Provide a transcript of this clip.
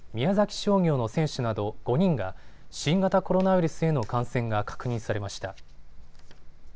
商業の選手など５人が新型コロナウイルスへの感染が確認されました。